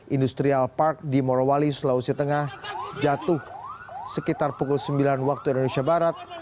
industrial park di morowali sulawesi tengah jatuh sekitar pukul sembilan waktu indonesia barat